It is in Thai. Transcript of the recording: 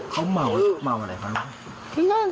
เขาเมาอะไรไปแล้ว